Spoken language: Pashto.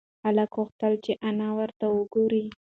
هلک غوښتل چې انا ورته وگوري.